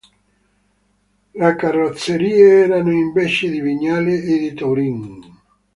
Le carrozzerie erano invece di Vignale e di Touring.